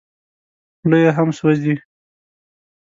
خوله یې هم سوځي .